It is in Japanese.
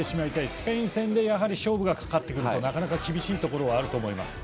スペイン戦で勝負がかかってくるとなかなか厳しいところがあると思います。